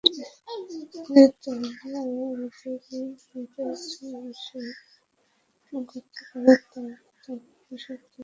যদি তোমরা তোমাদেরই মত একজন মানুষের আনুগত্য কর তবে তোমরা অবশ্যই ক্ষতিগ্রস্ত হবে।